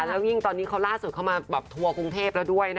อย่างยิ่งตอนนี้โซเธอดปราบด้วย